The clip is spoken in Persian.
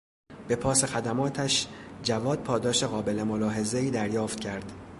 به پاس خدماتش، جواد پاداش قابل ملاحظهای دریافت کرد.